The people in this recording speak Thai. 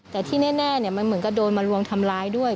แต่ที่แน่มันเหมือนกับโดนมาลวงทำร้ายด้วย